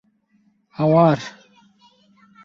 Hawar!